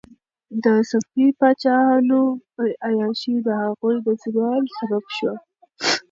د صفوي پاچاهانو عیاشي د هغوی د زوال سبب شوه.